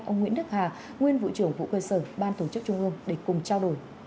ông nguyễn đức hà nguyên vụ trưởng vụ cơ sở ban tổ chức trung ương để cùng trao đổi